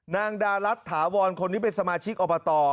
นางดารัฐถาวรคนนี้เป็นสมาชิกอบต